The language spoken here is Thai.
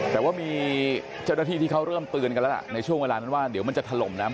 แต่ว่ามีเจ้าหน้าที่ที่เขาเริ่มเตือนกันแล้วล่ะในช่วงเวลานั้นว่าเดี๋ยวมันจะถล่มน้ำ